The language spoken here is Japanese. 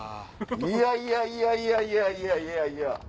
いやいやいやいやいやいやいやいや。